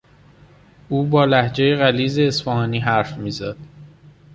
او با لهجهی غلیظ اصفهانی حرف میزد.